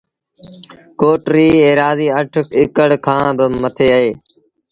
ڪوٽ ريٚ ايرآزيٚ اَٺ اڪڙ ڪآن با مٿي اهي